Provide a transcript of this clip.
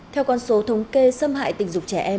theo con số thống kê xâm hại tình dục trẻ em